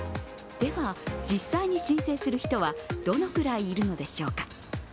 では、実際に申請する人はどのくらいいるのでしょうか。